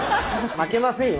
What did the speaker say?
負けませんよ